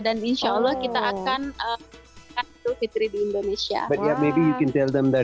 dan insya allah kita akan pulang ke idul fitri di indonesia